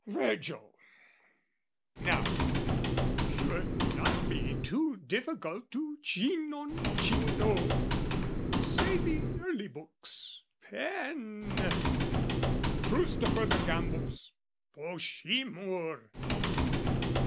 (Virgil, now, should not be too difficult To Cinoncino, say the early books... Pen, truce to further gambols! Poscimur!)